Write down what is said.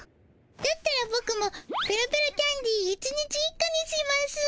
だったらボクもペロペロキャンディー１日１個にしますぅ。